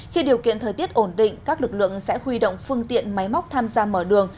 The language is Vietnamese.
khi điều kiện thời tiết ổn định các lực lượng sẽ huy động phương tiện máy móc tham gia mở đường